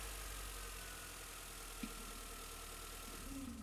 蓝钦毕业于普林斯顿大学土木工程系。